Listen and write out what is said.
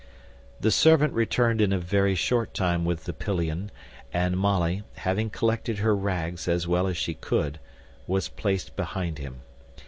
The servant returned in a very short time with the pillion, and Molly, having collected her rags as well as she could, was placed behind him.